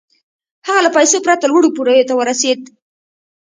هغه له پيسو پرته لوړو پوړيو ته ورسېد.